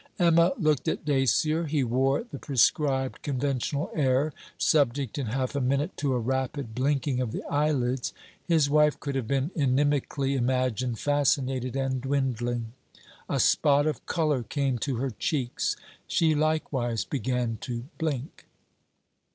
Emma looked at Dacier. He wore the prescribed conventional air, subject in half a minute to a rapid blinking of the eyelids. His wife could have been inimically imagined fascinated and dwindling. A spot of colour came to her cheeks. She likewise began to blink.